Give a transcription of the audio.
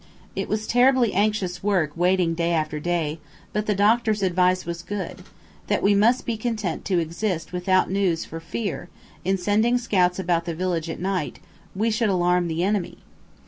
It was terribly anxious work waiting day after day, but the doctor's advice was good that we must be content to exist without news for fear, in sending scouts about the village at night, we should alarm the enemy.